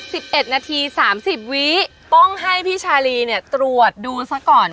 สิบเอ็ดนาทีสามสิบวิต้องให้พี่ชาลีเนี่ยตรวจดูซะก่อน